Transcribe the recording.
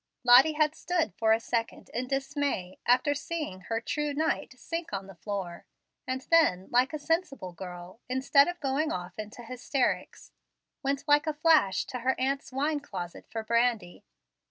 Lottie had stood for a second in dismay, after seeing her "true knight" sink on the floor, and then, like a sensible girl, instead of going off into hysterics, went like a flash to her aunt's wine closet for brandy.